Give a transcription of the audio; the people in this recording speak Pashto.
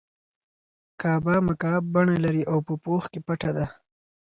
کعبه مکعب بڼه لري او په پوښ کې پټه ده.